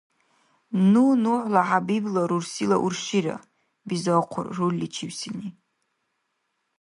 — Ну Нухӏла Хӏябибла рурсила уршира, — бизахъур рульличивсини.